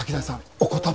お言葉。